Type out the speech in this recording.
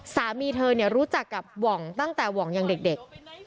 สามีเธอรู้จักกับหว่องตั้งแต่หว่องยังเด็ก